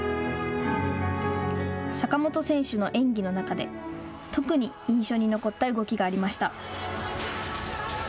坂本選手の演技の中で特に印象に残った動きがありました。